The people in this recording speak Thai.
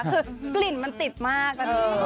คือกลิ่นมันติดมาก